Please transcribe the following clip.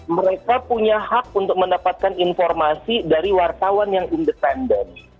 mereka punya hak untuk mendapatkan informasi dari wartawan yang independen